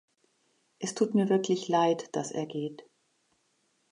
Es tut mir wirklich leid, dass er geht.